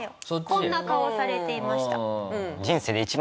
こんな顔をされていました。